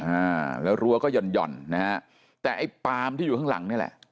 อ่าแล้วรั้วก็ห่อนหย่อนนะฮะแต่ไอ้ปามที่อยู่ข้างหลังนี่แหละ